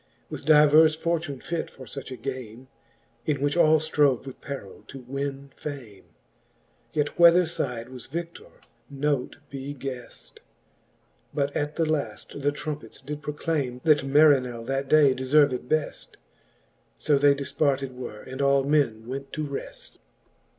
With divers fortune fit for fuch a game, In which all ftrove with perill to winne fame. Yet whether fide was vi£i:or note be gheft : But at the laft the trompets did proclame That Marinell that day delerved beft. So they dl (parted were, and all men went to reft.